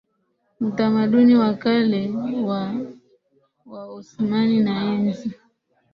utamaduni wa kale wa Waosmani na enzi